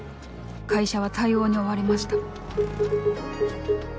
会社は対応に追われました。